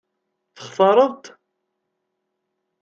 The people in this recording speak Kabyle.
Textaṛeḍ-t?